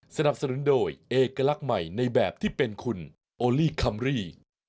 สนับสนุนโดยเอกลักษณ์ใหม่ในแบบที่เป็นคุณโอลี่คัมรี่